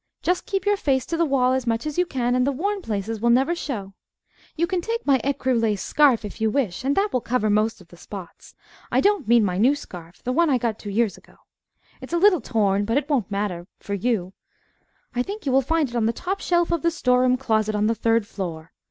Just keep your face to the wall as much as you can, and the worn places will never show. You can take my ecru lace scarf, if you wish, and that will cover most of the spots. I don't mean my new scarf the one I got two years ago. It's a little torn, but it won't matter for you. I think you will find it on the top shelf of the store room closet on the third floor.